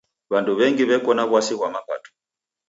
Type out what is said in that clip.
W'andu w'engi w'eko na w'asi ghwa mapato.